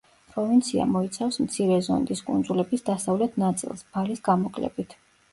პროვინცია მოიცავს მცირე ზონდის კუნძულების დასავლეთ ნაწილს, ბალის გამოკლებით.